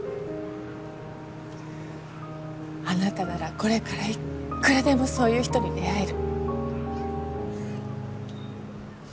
あなたならこれからいくらでもそういう人に出会える。